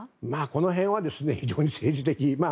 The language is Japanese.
この辺は非常に政治的。